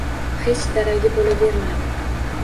Hech daragi bo`lavermadi